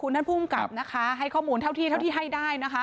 ท่านภูมิกับนะคะให้ข้อมูลเท่าที่เท่าที่ให้ได้นะคะ